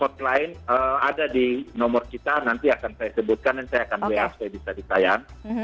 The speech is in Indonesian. hotline ada di nomor kita nanti akan saya sebutkan dan saya akan wa saya bisa ditayang